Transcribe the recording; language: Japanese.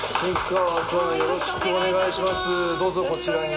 どうぞこちらに。